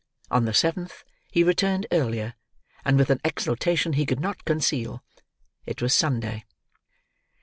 On the seventh, he returned earlier, and with an exultation he could not conceal. It was Sunday.